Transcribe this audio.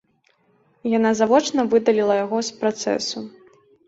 Яна завочна выдаліла яго з працэсу.